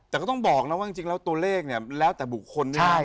แต่ก็ต้องบอกนะว่าตัวเลขเนี่ยแล้วแต่บุคคลเนี่ย